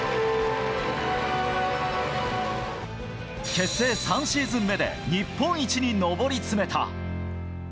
結成３シーズン目で、日本一に上り詰めた。